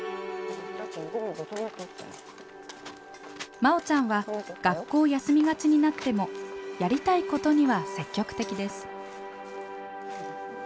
まおちゃんは学校を休みがちになってもやりたいことには積極的です。